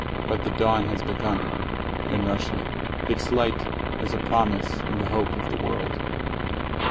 But the dawn has begun. In Russia. Its light is a promise and the hope of the world.